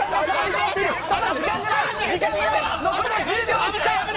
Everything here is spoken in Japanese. ただ時間がない！